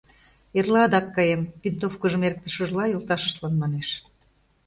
— Эрла адак каем, — винтовкыжым эрыктышыжла йолташыштлан манеш.